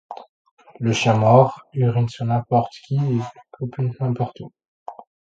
Le chien mord, urine sur n'importe qui et copule n'importe où.